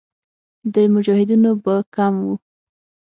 د مجاهدینو به کم وو.